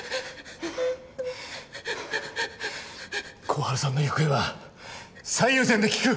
心春さんの行方は最優先で聞く！